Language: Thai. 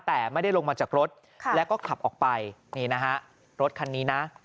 แต่ไม่ได้ลงมาจากรถแล้วก็ขับออกไปนี่นะฮะรถคันนี้นะ